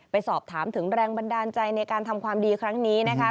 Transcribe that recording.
ไปสอบถามถึงแรงบันดาลใจในการทำความดีครั้งนี้นะคะ